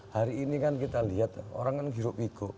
hari ini kan kita lihat orang kan hirup pikuk